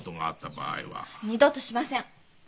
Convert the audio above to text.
二度としません。